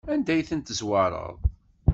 Anda ay ten-tezwareḍ?